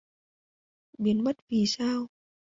Biến mất vì sao